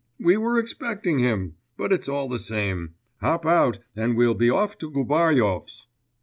We were expecting him; but it's all the same, hop out, and we'll be off to Gubaryov's.